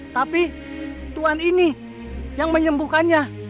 tapi tuhan ini yang menyembuhkannya